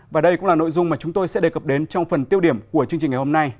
và đây cũng là nội dung mà chúng tôi sẽ đề cập đến trong phần tiêu điểm của chương trình ngày hôm nay